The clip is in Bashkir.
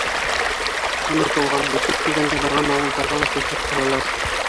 Онотолған, бөтөп тигәндәй барған ауылдарға ла сәфәр ҡылалар.